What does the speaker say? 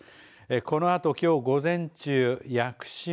このあと、きょう午前中、屋久島